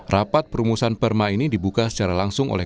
rapat perumusan perma ini dibuka secara langsung oleh